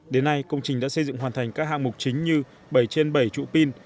đến nay công trình đã xây dựng hoàn thành các hạng mục chính như bảy trên bảy trụ pin